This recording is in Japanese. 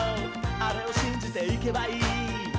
あれをしんじていけばいい」